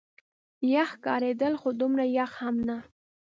یخ ښکارېدل، خو دومره یخ هم نه.